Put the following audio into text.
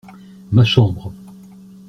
Ma chambre.